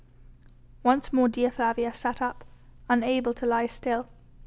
Once more Dea Flavia sat up, unable to lie still.